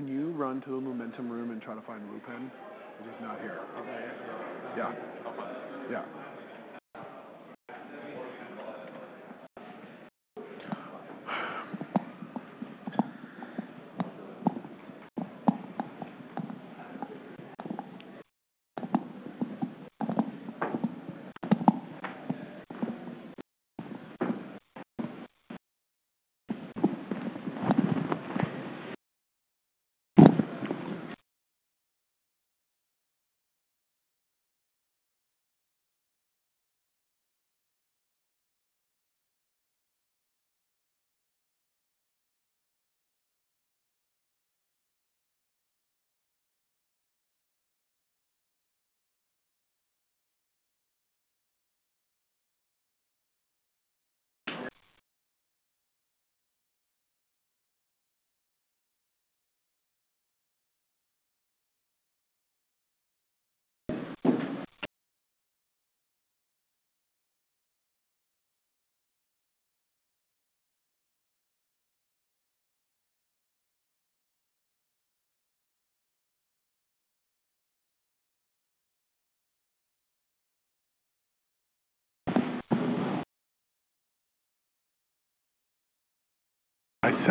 Can you run to the Lumentum room and try to find Wupen? He's not here. Okay. Yeah.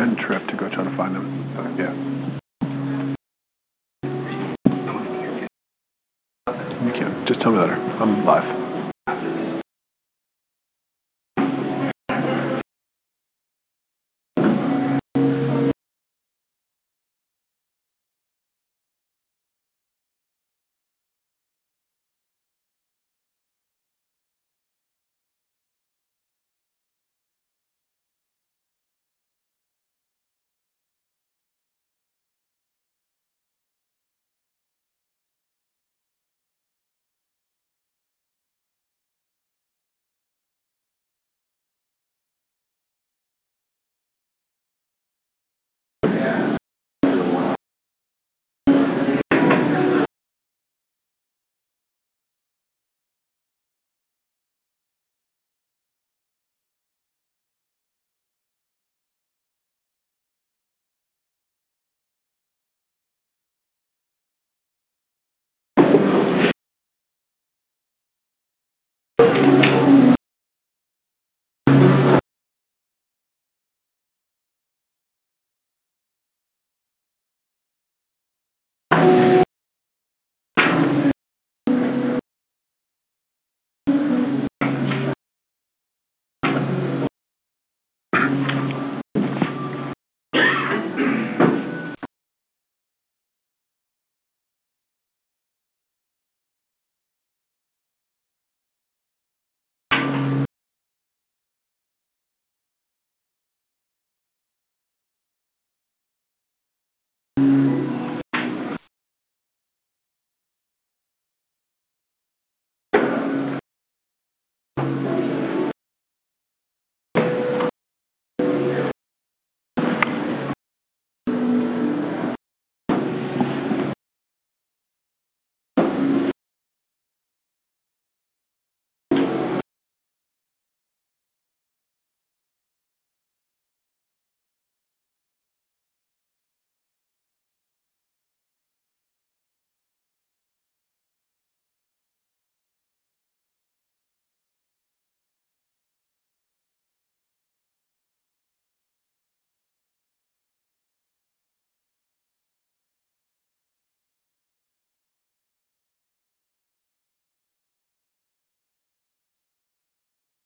Okay. Yeah. I sent Tripp to go try to find him. Yeah. We can. Just tell me later. I'm live.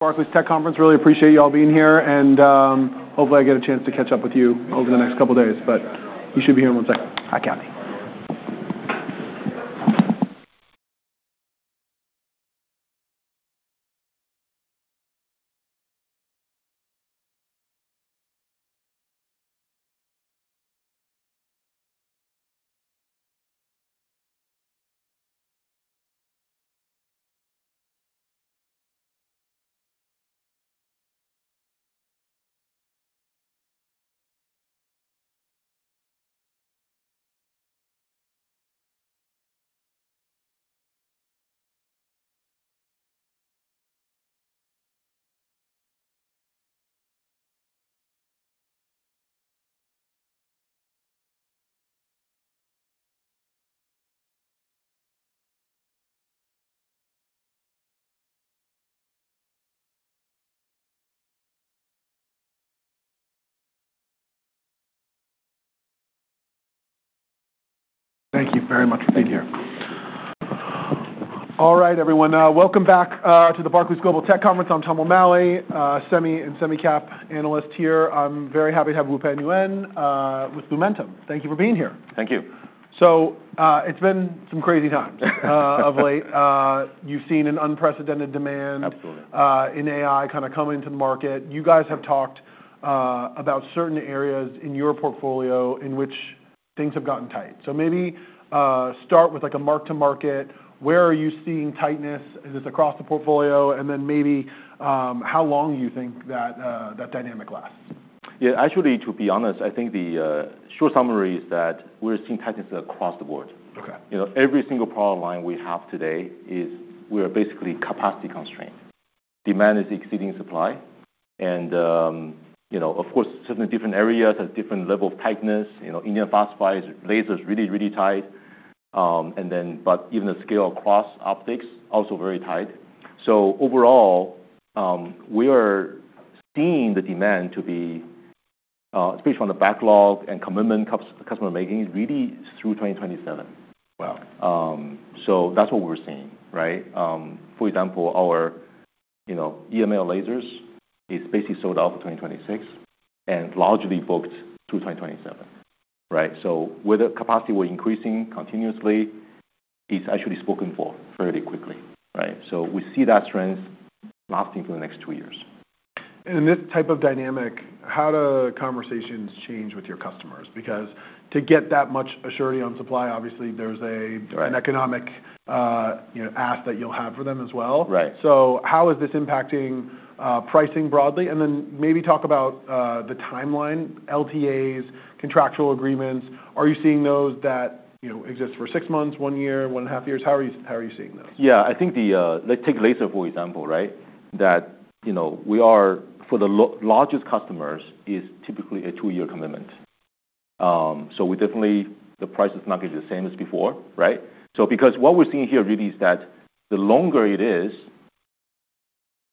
Barclays' tech conference. Really appreciate y'all being here, and hopefully I get a chance to catch up with you over the next couple days, but you should be here in one second. Hi, Kathy. Thank you very much for being here. All right, everyone. Welcome back to the Barclays Global Tech Conference. I'm Tom O'Malley, semi and semi-cap analyst here. I'm very happy to have Wupen Yuen with Lumentum. Thank you for being here. Thank you. So, it's been some crazy times, of late. You've seen an unprecedented demand. Absolutely. In AI kinda coming to the market. You guys have talked about certain areas in your portfolio in which things have gotten tight. So maybe start with like a mark-to-market. Where are you seeing tightness? Is this across the portfolio? And then maybe how long do you think that dynamic lasts? Yeah. Actually, to be honest, I think the short summary is that we're seeing tightness across the board. Okay. You know, every single product line we have today, we are basically capacity constrained. Demand is exceeding supply. You know, of course, certain different areas have different levels of tightness. You know, indium phosphide lasers are really, really tight. But even the scale-across optics is also very tight. So overall, we are seeing the demand to be, especially on the backlog and customer commitments, really through 2027. Wow. So that's what we're seeing, right? For example, our, you know, EML lasers is basically sold out for 2026 and largely booked through 2027, right? So where the capacity were increasing continuously, it's actually spoken for fairly quickly, right? So we see that strength lasting for the next two years. And in this type of dynamic, how do conversations change with your customers? Because to get that much surety on supply, obviously there's a. Right. An economic, you know, ask that you'll have for them as well. Right. So how is this impacting pricing broadly? And then maybe talk about the timeline, LTAs, contractual agreements. Are you seeing those that you know exist for six months, one year, one and a half years? How are you seeing those? Yeah. I think, let's take laser, for example, right? That, you know, we are for the largest customers is typically a two-year commitment, so we definitely the price is not gonna be the same as before, right? So because what we're seeing here really is that the longer it is,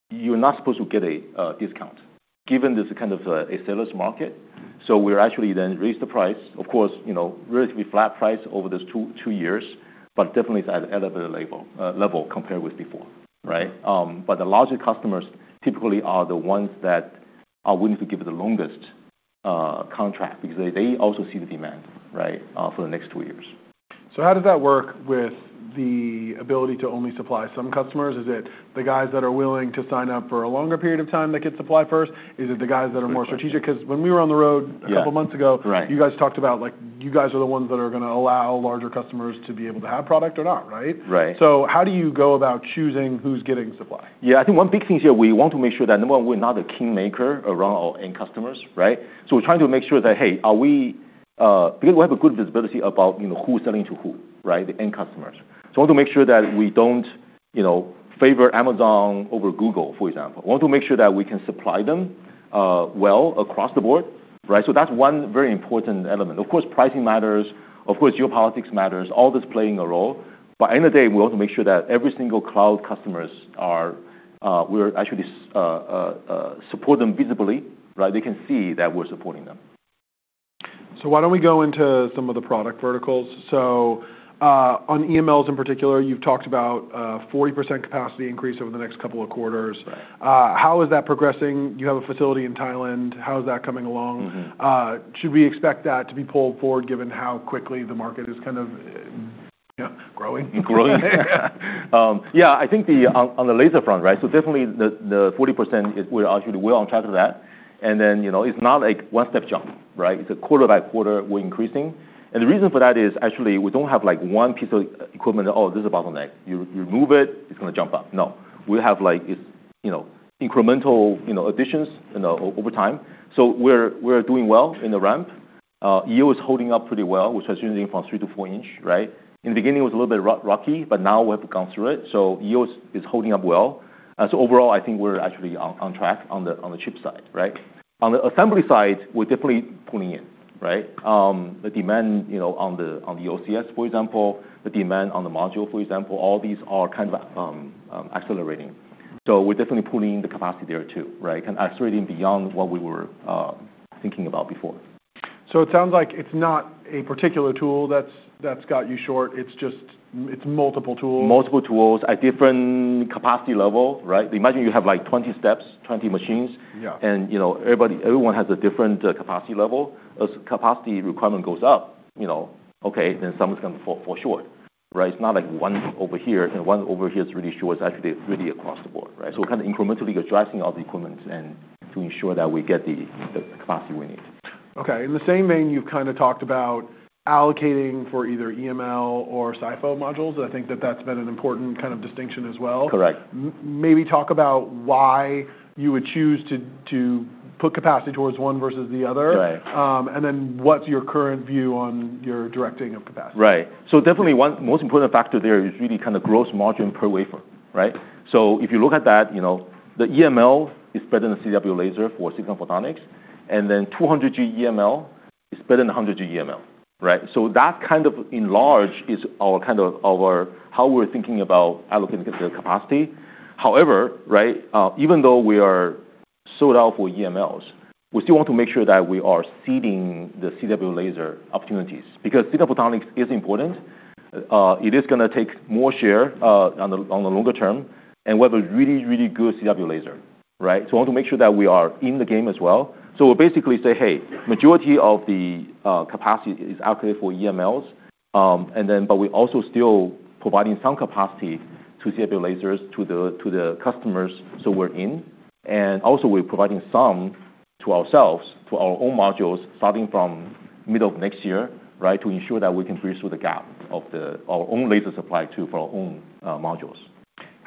you're not supposed to get a discount given this kind of a seller's market. So we're actually then raise the price, of course, you know, relatively flat price over those two years, but definitely at an elevated level compared with before, right? But the larger customers typically are the ones that are willing to give the longest contract because they also see the demand, right, for the next two years. So how does that work with the ability to only supply some customers? Is it the guys that are willing to sign up for a longer period of time that get supply first? Is it the guys that are more strategic? Yeah. 'Cause when we were on the road. Yeah. A couple months ago. Right. You guys talked about, like, you guys are the ones that are gonna allow larger customers to be able to have product or not, right? Right. How do you go about choosing who's getting supply? Yeah. I think one big thing here we want to make sure that number one, we're not a kingmaker around our end customers, right? So we're trying to make sure that, hey, are we, because we have a good visibility about, you know, who's selling to who, right, the end customers. So I want to make sure that we don't, you know, favor Amazon over Google, for example. I want to make sure that we can supply them, well across the board, right? So that's one very important element. Of course, pricing matters. Of course, geopolitics matters. All this playing a role. By the end of the day, we want to make sure that every single cloud customers are, we're actually, support them visibly, right? They can see that we're supporting them. Why don't we go into some of the product verticals? On EMLs in particular, you've talked about 40% capacity increase over the next couple of quarters. Right. How is that progressing? You have a facility in Thailand. How's that coming along? Mm-hmm. Should we expect that to be pulled forward given how quickly the market is kind of growing? Growing? Yeah. I think on the laser front, right, so definitely the 40% is we're actually well on track of that. And then, you know, it's not like one-step jump, right? It's a quarter-by-quarter we're increasing. And the reason for that is actually we don't have like one piece of equipment that, "Oh, this is a bottleneck. You remove it, it's gonna jump up." No. We have like it's, you know, incremental, you know, additions, you know, over time. So we're doing well in the ramp. EO is holding up pretty well, which has ranging from three- to four-inch, right? In the beginning, it was a little bit rocky, but now we have gone through it. So EO is holding up well. So overall, I think we're actually on track on the chip side, right? On the assembly side, we're definitely pulling in, right, the demand, you know, on the OCS, for example, the demand on the module, for example, all these are kind of accelerating. So we're definitely pulling in the capacity there too, right, kinda accelerating beyond what we were thinking about before. So it sounds like it's not a particular tool that's got you short. It's just multiple tools. Multiple tools at different capacity level, right? Imagine you have like 20 steps, 20 machines. Yeah. And, you know, everybody, everyone has a different capacity level. As capacity requirement goes up, you know, okay, then someone's gonna fall short, right? It's not like one over here, and one over here is really short. It's actually really across the board, right? So kinda incrementally addressing all the equipments and to ensure that we get the capacity we need. Okay. In the same vein, you've kinda talked about allocating for either EML or SiPho modules. I think that that's been an important kind of distinction as well. Correct. Maybe talk about why you would choose to put capacity towards one versus the other. Right. And then what's your current view on your directing of capacity? Right. So definitely one most important factor there is really kinda gross margin per wafer, right? So if you look at that, you know, the EML is better than the CW laser for Silicon Photonics, and then 200G EML is better than 100G EML, right? So that kind of logic is our kind of our how we're thinking about allocating the capacity. However, right, even though we are sold out for EMLs, we still want to make sure that we are seeding the CW laser opportunities because Silicon Photonics is important. It is gonna take more share, on the longer term and we have a really, really good CW laser, right? So I want to make sure that we are in the game as well. So we basically say, "Hey, majority of the capacity is allocated for EMLs," and then but we also still providing some capacity to CW lasers to the customers so we're in. And also we're providing some to ourselves, to our own modules starting from middle of next year, right, to ensure that we can bridge through the gap of our own laser supply too for our own modules.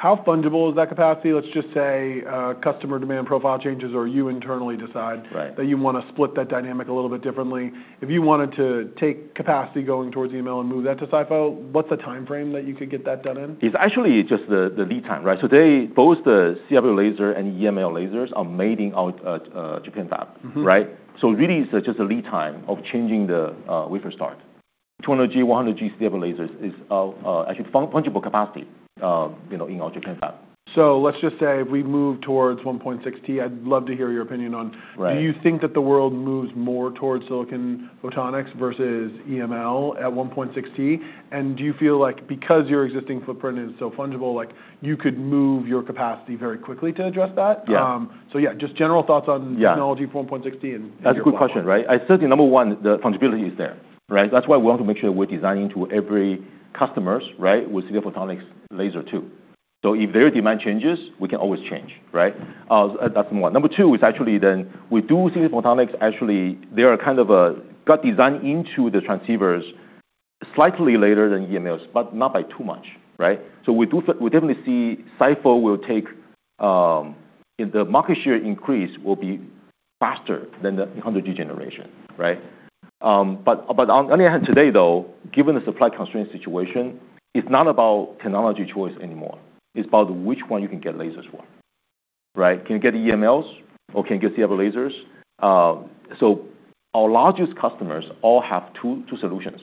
How fungible is that capacity? Let's just say, customer demand profile changes or you internally decide. Right. That you wanna split that dynamic a little bit differently. If you wanted to take capacity going towards EML and move that to SiPho, what's the timeframe that you could get that done in? It's actually just the lead time, right? So today, both the CW laser and EML lasers are made in our Japan fab, right? So really it's just a lead time of changing the wafer start. 200G 100G CW lasers is actually fungible capacity, you know, in our Japan fab. So let's just say if we move towards 1.6T, I'd love to hear your opinion on. Right. Do you think that the world moves more towards silicon photonics versus EML at 1.6T? And do you feel like because your existing footprint is so fungible, like you could move your capacity very quickly to address that? Yeah. So yeah, just general thoughts on. Yeah. Technology for 1.6T and. That's a good question, right? I certainly, number one, the fungibility is there, right? That's why we want to make sure we're designing to every customers, right, with silicon photonics laser too, so if their demand changes, we can always change, right? That's number one. Number two is actually then we do silicon photonics actually. They are kind of got designed into the transceivers slightly later than EMLs, but not by too much, right? So we do, we definitely see SiPho will take in the market share increase will be faster than the 100G generation, right, but on the other hand today though, given the supply constraint situation, it's not about technology choice anymore. It's about which one you can get lasers for, right? Can you get EMLs or can you get CW lasers, so our largest customers all have two, two solutions.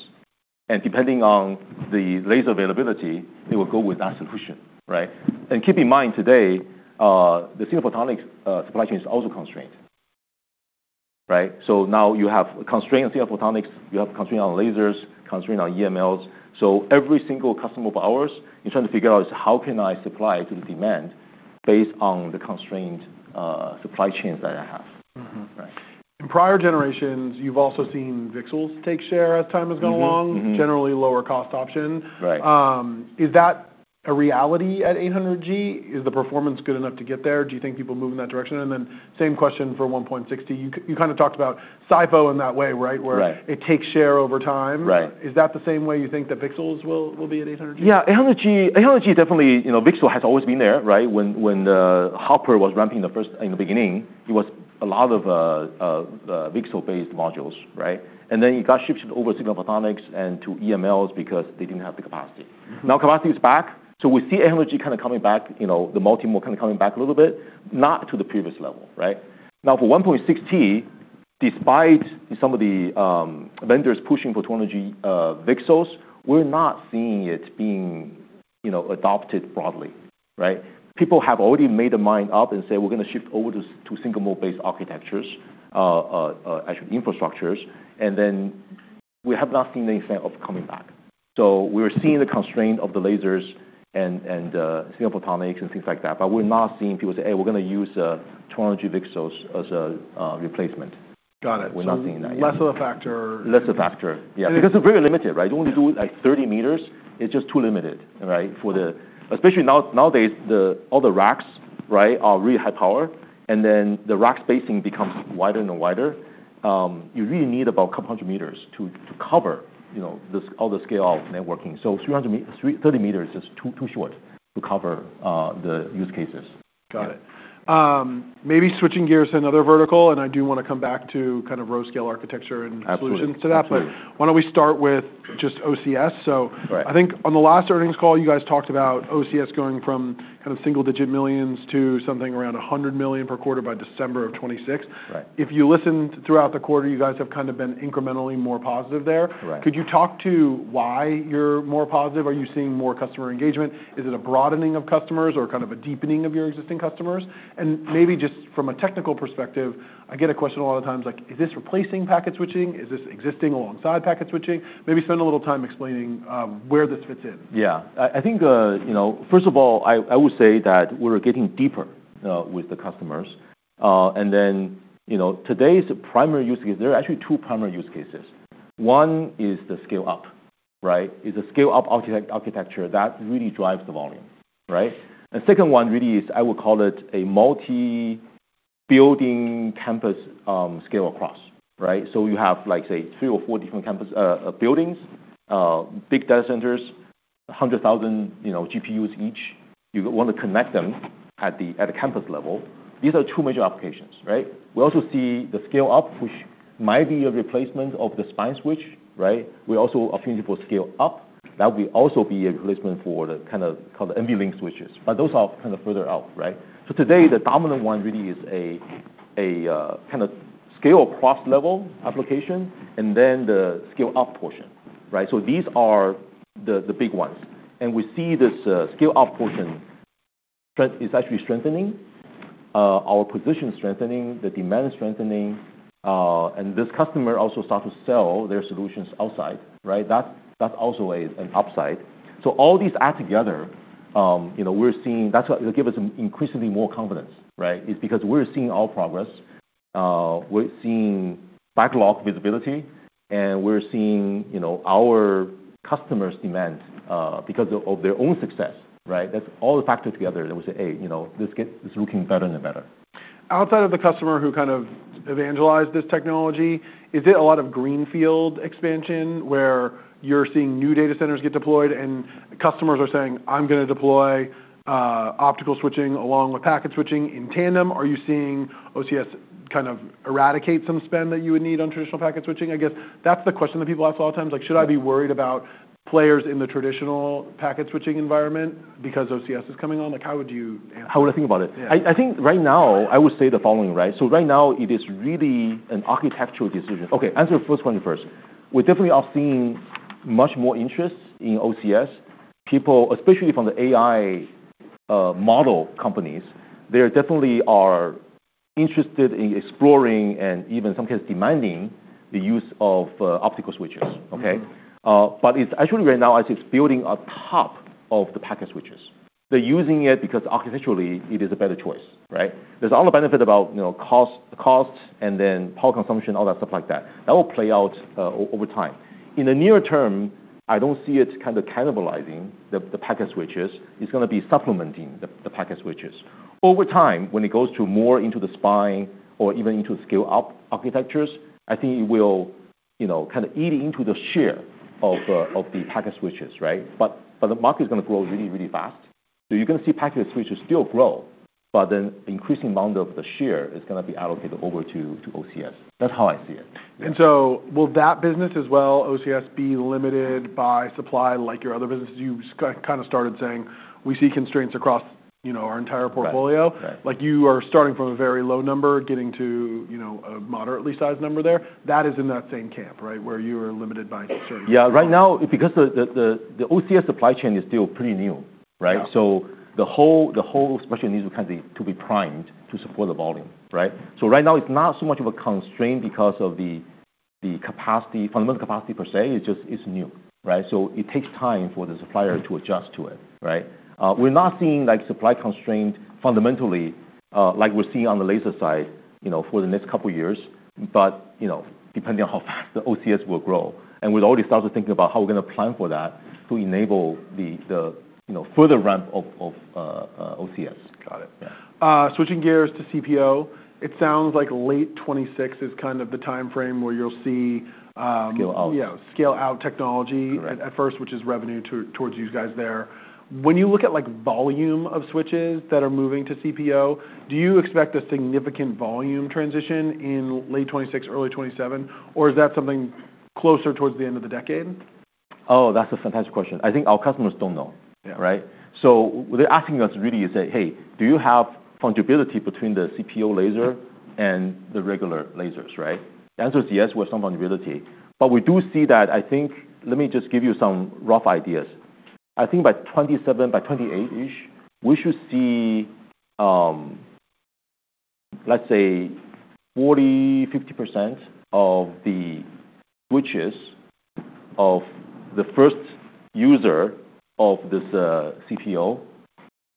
And depending on the laser availability, they will go with that solution, right? And keep in mind today, the Silicon Photonics supply chain is also constrained, right? So now you have constraint on Silicon Photonics, you have constraint on lasers, constraint on EMLs. So every single customer of ours is trying to figure out is how can I supply to the demand based on the constrained supply chains that I have, right? In prior generations, you've also seen VCSELs take share as time has gone along. Mm-hmm. Generally lower cost option. Right. Is that a reality at 800G? Is the performance good enough to get there? Do you think people move in that direction? And then same question for 1.6T. You kinda talked about SiPho in that way, right? Right. Where it takes share over time. Right. Is that the same way you think that VCSELs will be at 800G? Yeah. 800G, 800G definitely, you know, VCSEL has always been there, right? When the Hopper was ramping the first in the beginning, it was a lot of VCSEL-based modules, right? And then it got shifted over silicon photonics and to EMLs because they didn't have the capacity. Now capacity is back. So we see 800G kinda coming back, you know, the multi-mode kinda coming back a little bit, not to the previous level, right? Now for 1.6T, despite some of the vendors pushing for 200G VCSELs, we're not seeing it being, you know, adopted broadly, right? People have already made their mind up and say, "We're gonna shift over to single-mode-based architectures, actually infrastructures." And then we have not seen the effect of coming back. So we were seeing the constraint of the lasers and silicon photonics and things like that, but we're not seeing people say, "Hey, we're gonna use a 200G VCSELs as a replacement. Got it. We're not seeing that yet. Less of a factor. Less of a factor, yeah. Because it's very limited, right? You only do like 30 meters. It's just too limited, right, for especially now, nowadays all the racks, right, are really high power, and then the rack spacing becomes wider and wider. You really need about a couple hundred meters to, to cover, you know, the scale of networking, so 30 meters is too, too short to cover the use cases. Got it. Maybe switching gears to another vertical, and I do wanna come back to kind of row scale architecture and solutions to that. Absolutely. But why don't we start with just OCS? So. Right. I think on the last earnings call, you guys talked about OCS going from kind of single-digit millions to something around 100 million per quarter by December of 2026. Right. If you listened throughout the quarter, you guys have kind of been incrementally more positive there. Correct. Could you talk to why you're more positive? Are you seeing more customer engagement? Is it a broadening of customers or kind of a deepening of your existing customers? And maybe just from a technical perspective, I get a question a lot of times like, "Is this replacing packet switching? Is this existing alongside packet switching?" Maybe spend a little time explaining where this fits in? Yeah. I think, you know, first of all, I would say that we're getting deeper with the customers. And then, you know, today's primary use case, there are actually two primary use cases. One is the scale-up, right? It's a scale-up architecture that really drives the volume, right? And second one really is I would call it a multi-building campus scale-across, right? So you have like, say, three or four different campus buildings, big data centers, 100,000, you know, GPUs each. You wanna connect them at the campus level. These are two major applications, right? We also see the scale-up, which might be a replacement of the spine switch, right? We also opportunity for scale-up that will also be a replacement for the kind of called the NVLink switches. But those are kinda further out, right? So today, the dominant one really is a kinda scale-across level application and then the scale-up portion, right? So these are the big ones. And we see this scale-up portion is actually strengthening, our position strengthening, the demand strengthening. And this customer also starts to sell their solutions outside, right? That's also an upside. So all these add together, you know, we're seeing that's what give us increasingly more confidence, right? It's because we're seeing our progress. We're seeing backlog visibility, and we're seeing, you know, our customers' demand, because of their own success, right? That's all the factor together that we say, "Hey, you know, this looking better and better. Outside of the customer who kind of evangelized this technology, is it a lot of greenfield expansion where you're seeing new data centers get deployed and customers are saying, "I'm gonna deploy optical switching along with packet switching in tandem"? Are you seeing OCS kind of eradicate some spend that you would need on traditional packet switching? I guess that's the question that people ask a lot of times. Like, should I be worried about players in the traditional packet switching environment because OCS is coming on? Like, how would you answer? How would I think about it? Yeah. I think right now, I would say the following, right, so right now, it is really an architectural decision. Okay. Answer first, 21st. We definitely are seeing much more interest in OCS. People, especially from the AI model companies, they definitely are interested in exploring and even in some cases demanding the use of optical switches, okay, but it's actually right now, as it's building on top of the packet switches. They're using it because architecturally it is a better choice, right? There's all the benefit about, you know, cost and then power consumption, all that stuff like that. That will play out over time. In the near term, I don't see it kinda cannibalizing the packet switches. It's gonna be supplementing the packet switches. Over time, when it goes to more into the spine or even into the scale-up architectures, I think it will, you know, kinda eat into the share of the packet switches, right? But the market's gonna grow really, really fast. So you're gonna see packet switches still grow, but then increasing amount of the share is gonna be allocated over to OCS. That's how I see it. And so will that business as well, OCS, be limited by supply like your other businesses? You just kinda started saying we see constraints across, you know, our entire portfolio. Right. Right. Like you are starting from a very low number, getting to, you know, a moderately sized number there. That is in that same camp, right, where you are limited by certain? Yeah. Right now, because the OCS supply chain is still pretty new, right? So the whole spectrum needs to kinda be primed to support the volume, right? So right now, it's not so much of a constraint because of the capacity, fundamental capacity per se. It's just, it's new, right? So it takes time for the supplier to adjust to it, right? We're not seeing like supply constraint fundamentally, like we're seeing on the laser side, you know, for the next couple years, but you know, depending on how fast the OCS will grow, and we've already started thinking about how we're gonna plan for that to enable the, you know, further ramp of OCS. Got it. Yeah. Switching gears to CPO. It sounds like late 2026 is kind of the timeframe where you'll see, Scale-out. Yeah. Scale-out technology. Correct. At first, which is revenue towards you guys there. When you look at like volume of switches that are moving to CPO, do you expect a significant volume transition in late 2026, early 2027, or is that something closer towards the end of the decade? Oh, that's a fantastic question. I think our customers don't know. Yeah. Right? So what they're asking us really is that, "Hey, do you have fungibility between the CPO laser and the regular lasers?" right? The answer is yes, we have some fungibility. But we do see that, I think, let me just give you some rough ideas. I think by 2027, by 2028-ish, we should see, let's say 40%-50% of the switches of the first user of this CPO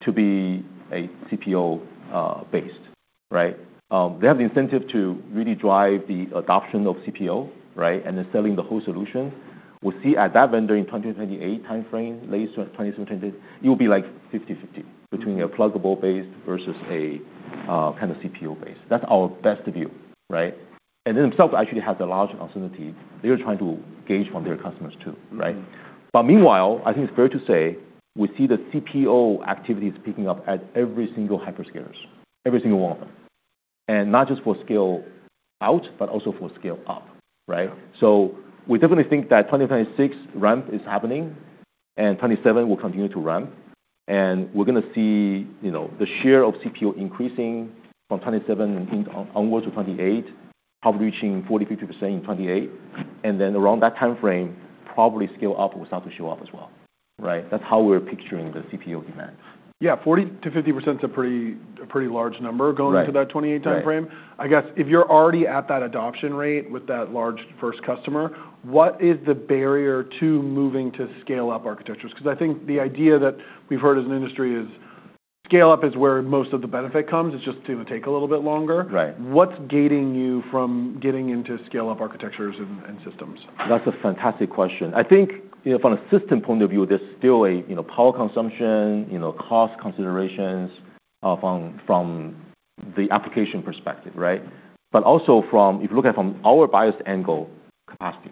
to be a CPO-based, right? They have the incentive to really drive the adoption of CPO, right, and then selling the whole solution. We'll see at that vendor in 2028 timeframe, late 2027, 2028, it will be like 50/50 between a pluggable-based versus a kinda CPO-based. That's our best view, right, and then themselves actually has a large uncertainty. They're trying to gauge from their customers too, right? But meanwhile, I think it's fair to say we see the CPO activities picking up at every single hyperscalers, every single one of them. And not just for scale-out, but also for scale-up, right? So we definitely think that 2026 ramp is happening and 2027 will continue to ramp. And we're gonna see, you know, the share of CPO increasing from 2027 and in onward to 2028, probably reaching 40%-50% in 2028. And then around that timeframe, probably scale-up will start to show up as well, right? That's how we're picturing the CPO demand. Yeah. 40%-50%'s a pretty large number going into that 2028 timeframe. Right. I guess if you're already at that adoption rate with that large first customer, what is the barrier to moving to scale-up architectures? 'Cause I think the idea that we've heard as an industry is scale-up is where most of the benefit comes. It's just gonna take a little bit longer. Right. What's gating you from getting into scale-up architectures and systems? That's a fantastic question. I think, you know, from a system point of view, there's still, you know, power consumption, you know, cost considerations from the application perspective, right? But also from, if you look at from our biased angle, capacity,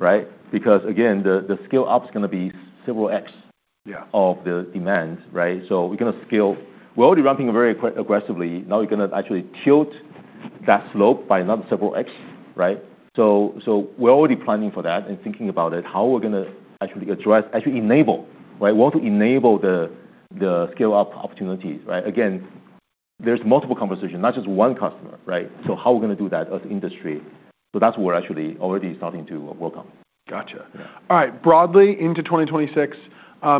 right? Because again, the scale-up's gonna be several X. Yeah. Of the demand, right? So we're gonna scale. We're already ramping very aggressively. Now we're gonna actually tilt that slope by another several X, right? So we're already planning for that and thinking about it, how we're gonna actually address, actually enable, right? We want to enable the scale-up opportunities, right? Again, there's multiple conversation, not just one customer, right? So how we're gonna do that as industry? So that's what we're actually already starting to work on. Gotcha. Yeah. All right. Broadly into 2026,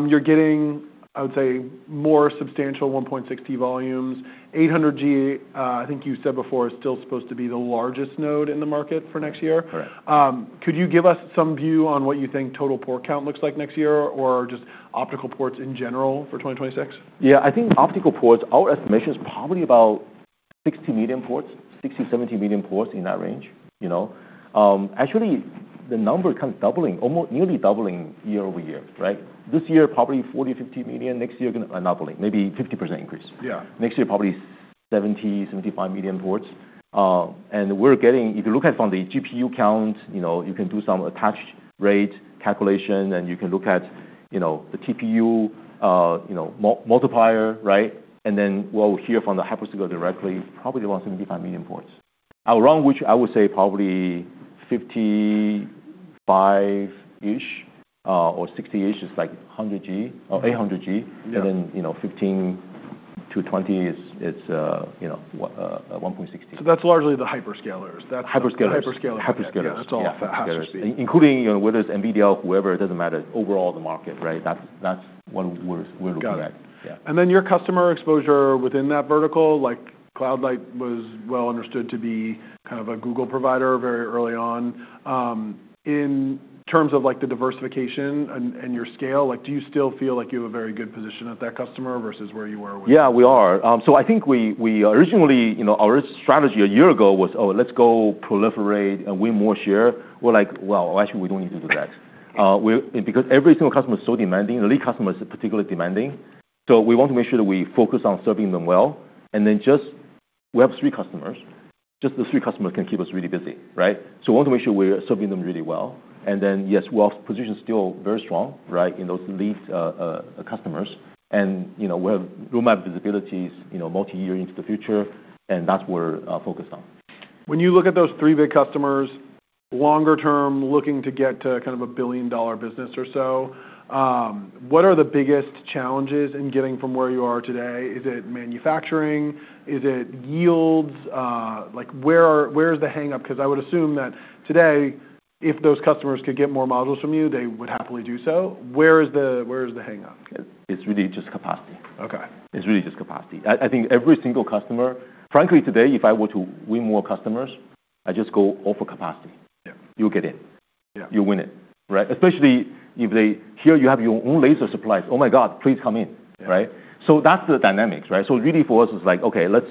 you're getting, I would say, more substantial 1.6T volumes. 800G, I think you said before, is still supposed to be the largest node in the market for next year. Correct. Could you give us some view on what you think total port count looks like next year or just optical ports in general for 2026? Yeah. I think optical ports, our estimation's probably about 60 million ports, 60 million to 70 million ports in that range, you know? Actually, the number's kinda doubling, almost nearly doubling year over year, right? This year, probably 40 million to 50 million. Next year, gonna another one, maybe 50% increase. Yeah. Next year, probably 70 million to 75 million ports, and we're getting, if you look at from the GPU count, you know, you can do some attached rate calculation, and you can look at, you know, the TPU, you know, multiplier, right, and then we'll hear from the hyperscaler directly, probably around 75 million ports. Around which I would say probably 55-ish or 60-ish is like 100G or 800G. Yeah. And then, you know, 15 to 20 is, you know, what, 1.6T. So that's largely the hyperscalers. That's. Hyperscalers. The hyperscalers. Hyperscalers. Yeah. That's all. Hyperscalers. Hyperscalers. Including, you know, whether it's NVIDIA, whoever, it doesn't matter, overall the market, right? That's what we're looking at. Gotcha. Yeah. And then your customer exposure within that vertical, like Cloud Light was well understood to be kind of a Google provider very early on. In terms of like the diversification and your scale, like, do you still feel like you have a very good position at that customer versus where you were with? Yeah, we are. So I think we originally, you know, our strategy a year ago was, "Oh, let's go proliferate and win more share." We're like, "Well, actually, we don't need to do that." Because every single customer's so demanding. The lead customer's particularly demanding. So we want to make sure that we focus on serving them well. And then just we have three customers. Just the three customers can keep us really busy, right? So we want to make sure we're serving them really well. And then, yes, we're positioned still very strong, right, in those lead customers. And, you know, we have roadmap visibilities, you know, multi-year into the future, and that's what we're focused on. When you look at those three big customers, longer-term looking to get to kind of a billion-dollar business or so, what are the biggest challenges in getting from where you are today? Is it manufacturing? Is it yields? Like, where's the hang-up? 'Cause I would assume that today, if those customers could get more modules from you, they would happily do so. Where's the hang-up? It's really just capacity. Okay. It's really just capacity. I think every single customer, frankly, today, if I were to win more customers, I just go offer capacity. Yeah. You'll get it. Yeah. You'll win it, right? Especially if they hear you have your own laser supplies, "Oh my God, please come in," right? So that's the dynamics, right? So really for us, it's like, "Okay. Let's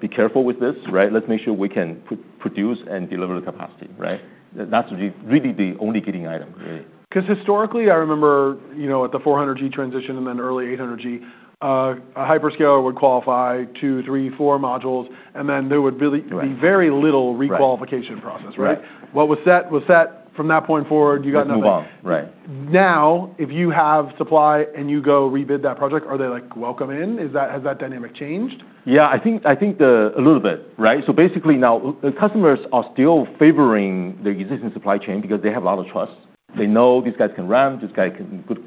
be careful with this," right? "Let's make sure we can produce and deliver the capacity," right? That's really the only gating item, really. 'Cause historically, I remember, you know, at the 400G transition and then early 800G, a hyperscaler would qualify two, three, four modules, and then there would really. Right. Very little requalification process, right? Right. What was set was set from that point forward, you got nothing. Move on, right? Now, if you have supply and you go rebid that project, are they like welcome in? Is that, has that dynamic changed? Yeah. I think that's a little bit, right, so basically now, the customers are still favoring the existing supply chain because they have a lot of trust. They know these guys can ramp, these guys can good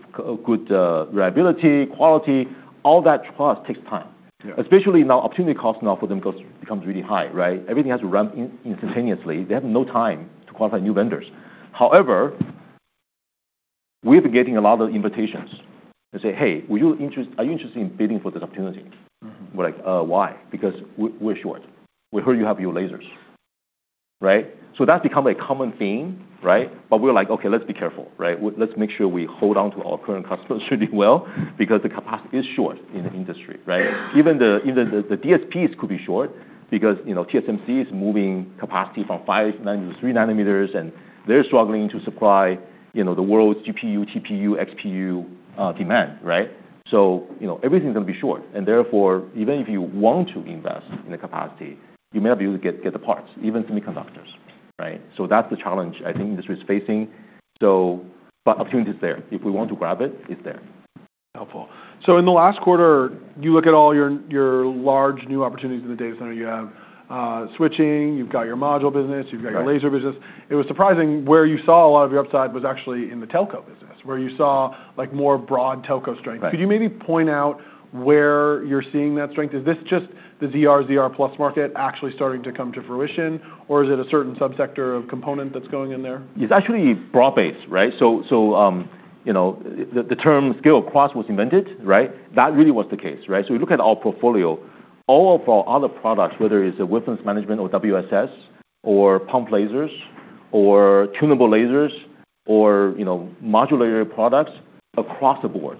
reliability, quality. All that trust takes time. Yeah. Especially now, opportunity cost now for them becomes really high, right? Everything has to ramp instantaneously. They have no time to qualify new vendors. However, we've been getting a lot of invitations to say, "Hey, are you interested in bidding for this opportunity? Mm-hmm. We're like, "Why?" Because we're short. We heard you have your lasers, right? So that's become a common theme, right? But we're like, "Okay. Let's be careful," right? "Let's make sure we hold on to our current customers really well because the capacity is short in the industry," right? Even the DSPs could be short because, you know, TSMC is moving capacity from 5 nanometers to 3 nanometers, and they're struggling to supply, you know, the world's GPU, TPU, XPU demand, right? So, you know, everything's gonna be short. And therefore, even if you want to invest in the capacity, you may not be able to get the parts, even semiconductors, right? So that's the challenge I think industry's facing. So, but opportunity's there. If we want to grab it, it's there. Helpful. So in the last quarter, you look at all your large new opportunities in the data center you have, switching. You've got your module business. Right. You've got your laser business. It was surprising where you saw a lot of your upside was actually in the telco business, where you saw like more broad telco strength. Right. Could you maybe point out where you're seeing that strength? Is this just the ZR, ZR Plus market actually starting to come to fruition, or is it a certain subsector of component that's going in there? It's actually broad-based, right? So, you know, the term scale-across was invented, right? That really was the case, right? So you look at our portfolio, all of our other products, whether it's a Wavelength Management or WSS or pump lasers or tunable lasers or, you know, modular products across the board,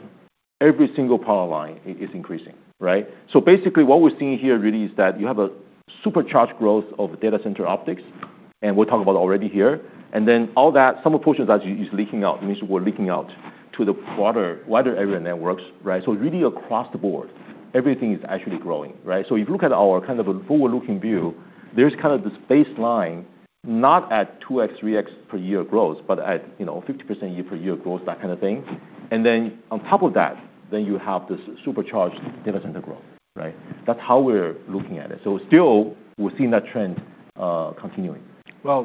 every single product line is increasing, right? So basically what we're seeing here really is that you have a supercharged growth of data center optics, and we'll talk about it already here. And then all that, some of the portions that you're leaking out, means we're leaking out to the broader, wider area networks, right? So really across the board, everything is actually growing, right? So if you look at our kind of a forward-looking view, there's kinda this baseline, not at 2x, 3x per year growth, but at, you know, 50% year-per-year growth, that kinda thing. And then on top of that, then you have this supercharged data center growth, right? That's how we're looking at it. So still, we're seeing that trend, continuing.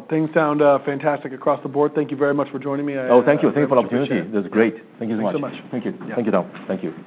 Things sound fantastic across the board. Thank you very much for joining me. I. Oh, thank you. Thank you for the opportunity. Thank you. This is great. Thank you so much. Thank you so much. Thank you. Thank you, Tom. Thank you.